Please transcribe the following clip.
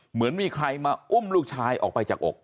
เหมือนมีใครมาอุ้มลูกชายออกไปจากอก